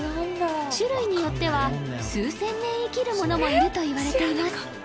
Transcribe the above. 種類によっては数千年生きるものもいるといわれています